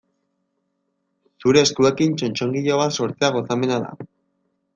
Zure eskuekin txotxongilo bat sortzea gozamena da.